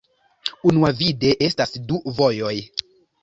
Unuavide estas du vojoj.